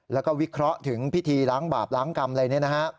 แล้วก็วิเคราะห์ถึงพิธีล้างบาปล้างกรรมอะไรเนี่ยนะฮะ